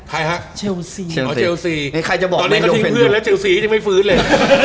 ใครฮะเชลสีเชลสีตอนนี้เขาทิ้งเพื่อนแล้วเชลสียังไม่ฟื้นเลย